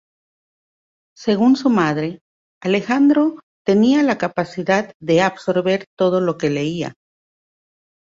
Según su madre, Alejandro tenía la capacidad de absorber todo lo que leía.